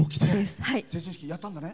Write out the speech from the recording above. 成人式やったんだね。